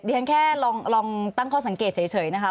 ฉันแค่ลองตั้งข้อสังเกตเฉยนะคะ